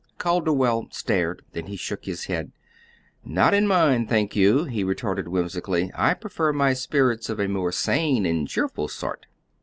Calderwell stared; then he shook his head. "Not in mine, thank you;" he retorted whimsically. "I prefer my spirits of a more sane and cheerful sort."